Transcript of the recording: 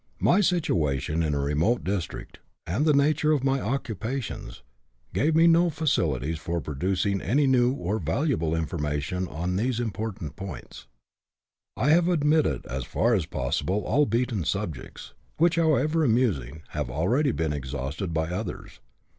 My situation in a remote district, and the nature of my occupations, gave me no facilities for procuring any new or valuable information on these important points. I have omitted as far as possible all beaten subjects, which, however amusing, have already been exhausted by others.